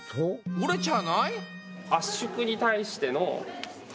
折れちゃわない？